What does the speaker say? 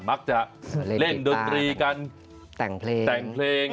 มักจะเล่นดกรีกันแต่งเพลง